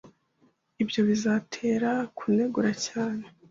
Ibyo bizatera kunegura cyane.